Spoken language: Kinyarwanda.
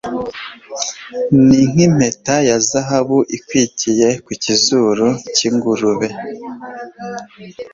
ni nk’impeta ya zahabu ikwikiye ku kizuru cy’ingurube